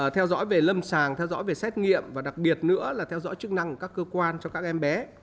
theo dõi về lâm sàng theo dõi về xét nghiệm và đặc biệt nữa là theo dõi chức năng của các cơ quan cho các em bé